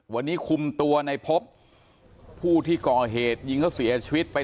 วันนี้คุมตัวในพบผู้ที่ก่อเหตุยิงเขาเสียชีวิตไป